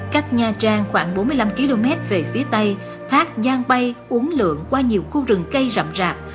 cách nha trang khoảng bốn mươi năm km về phía tây thác giang bay uống lượng qua nhiều khu rừng cây rậm rạp